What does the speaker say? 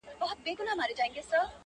o ستا د مړو سترګو کاته زما درمان سي,